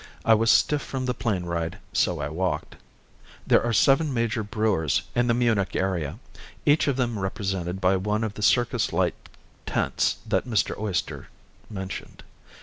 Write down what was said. I was stiff from the plane ride so I walked. There are seven major brewers in the Munich area, each of them represented by one of the circuslike tents that Mr. Oyster mentioned.